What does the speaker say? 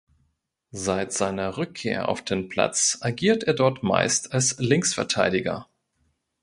Seit seiner Rückkehr auf den Platz agiert er dort meist als Linksverteidiger.